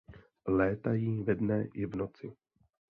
Létají ve dne i v noci.